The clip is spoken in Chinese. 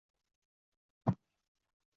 粉尘爆炸有原发性和继发性之分。